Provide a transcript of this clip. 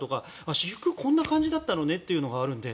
私服、こんな感じだったのねっていうのがあるので。